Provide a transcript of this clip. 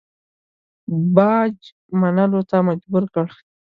باج منلو ته مجبور کړ.